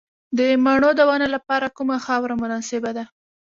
د مڼو د ونو لپاره کومه خاوره مناسبه ده؟